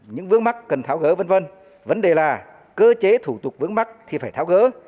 những vướng mắt cần tháo gỡ v v vấn đề là cơ chế thủ tục vướng mắt thì phải tháo gỡ